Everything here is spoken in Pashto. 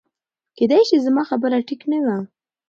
کېدی شي زما خبره ټیک نه وه